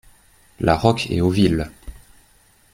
La Roque, Héauville